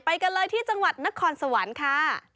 กันเลยที่จังหวัดนครสวรรค์ค่ะ